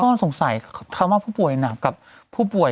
สงสัยคำว่าผู้ป่วยหนักกับผู้ป่วย